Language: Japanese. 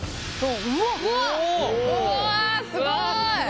うわすごい！